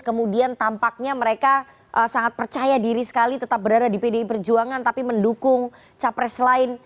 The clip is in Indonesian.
kemudian tampaknya mereka sangat percaya diri sekali tetap berada di pdi perjuangan tapi mendukung capres lain